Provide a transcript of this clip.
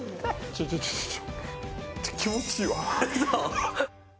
ちょっとちょっと、気持ちいいわ。